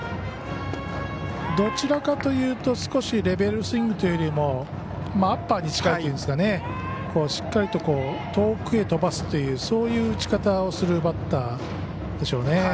どちらかというと少しレベルスイングというよりもアッパーに近いというんですかねしっかりと遠くへ飛ばすというそういう打ち方をするバッターでしょうね。